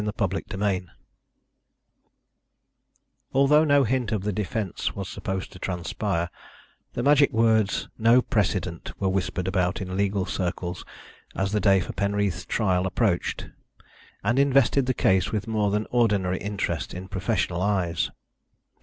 CHAPTER XV Although no hint of the defence was supposed to transpire, the magic words "No precedent" were whispered about in legal circles as the day for Penreath's trial approached, and invested the case with more than ordinary interest in professional eyes.